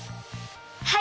はい！